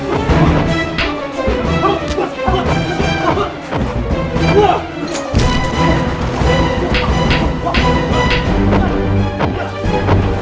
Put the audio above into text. aku akan membunuhmu